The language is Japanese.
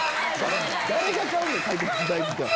誰が買うねん！